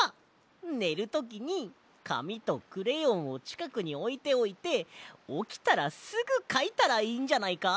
ねるときにかみとクレヨンをちかくにおいておいておきたらすぐかいたらいいんじゃないか？